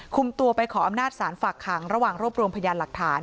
คุมตัวไปขออำนาจสารฝากขังระหว่างรวบรวมพยานหลักฐาน